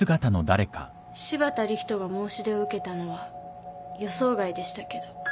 柴田理人が申し出を受けたのは予想外でしたけど。